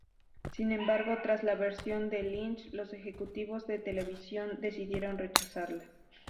Sin embargo, tras ver la versión de Lynch, los ejecutivos de televisión decidieron rechazarla.